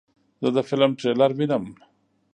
زه د فلم ټریلر وینم.